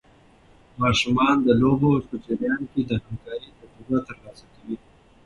ماشومان د لوبو په جریان کې د همکارۍ تجربه ترلاسه کوي.